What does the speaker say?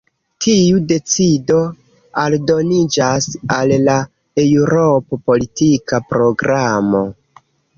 Tiu decido aldoniĝas al la Eŭrop-politika Programo.